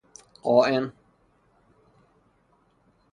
قائن